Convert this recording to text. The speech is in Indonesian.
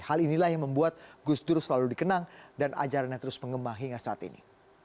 hal inilah yang membuat gus dur selalu dikenang dan ajarannya terus mengembang hingga saat ini